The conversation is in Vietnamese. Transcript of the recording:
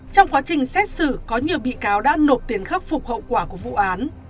trong quá trình xét xử có nhiều bị cáo đã nộp tiền khắc phục hậu quả của vụ án